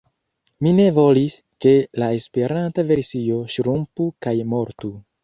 Mi ne volis, ke la Esperanta versio ŝrumpu kaj mortu.